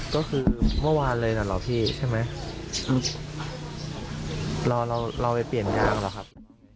ก็คือเมื่อวานเลยนั่นเหรอพี่ใช่ไหมเราเราไปเปลี่ยนยางหรอครับ